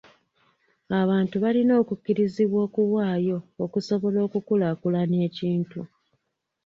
Abantu balina okukkirizibwa okuwaayo okusobola okukulaakulanya ekintu.